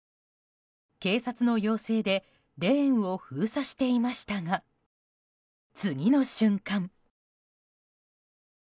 警察の要請でレーンを封鎖していましたが次の瞬間。